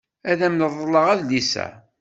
Ad am-reḍleɣ adlis-a.